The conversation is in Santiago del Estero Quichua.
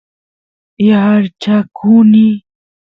yaarchakuny